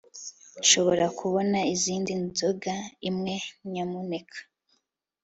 nshobora kubona izindi nzoga imwe, nyamuneka